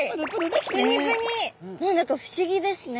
何だか不思議ですね。